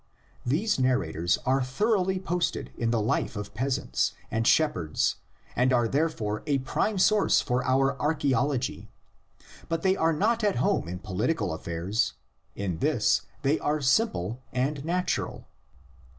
These narrators are thoroughly posted in the life of peasants and shepherds and "are therefore a prime source for our "archaeology"; but they are not at home in political affairs: in this they are simple and natural.